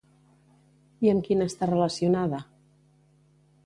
I amb quina està relacionada?